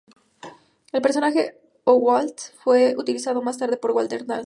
El personaje Oswald fue utilizado más tarde por Walter Lantz.